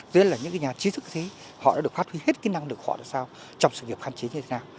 với những nhà chi thức thế họ đã được phát huy hết năng lực họ đã sao trong sự nghiệp khăn chế thế nào